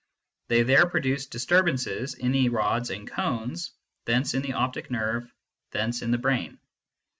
They there produce disturbances in the rods and cones, thence in the optic nerve, thence in the brain.